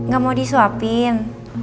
gak mau disuapin